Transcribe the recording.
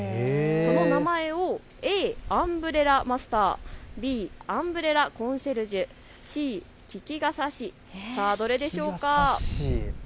その名前をＡ、アンブレラ・マスターＢ、アンブレラ・コンシェルジュ、Ｃ、利傘師、さあどれでしょうか。